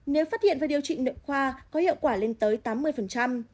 nếu phát hiện với điều trị niệu khoa có hiệu quả lên tới tám mươi